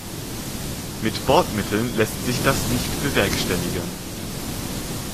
Mit Bordmitteln lässt sich das nicht bewerkstelligen.